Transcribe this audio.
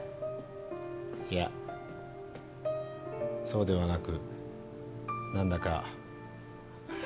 いやそうではなく何だか。